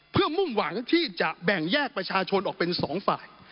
เพื่อมุ่งหวังที่จะแบ่งแยกประชาชนออกเป็น๒ฝ่าย